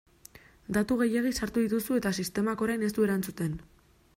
Datu gehiegi sartu dituzu eta sistemak orain ez du erantzuten.